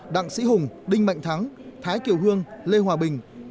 đặng sĩ hùng đinh mạnh thắng thái kiều hương lê hòa bình nguyễn thị kim thoa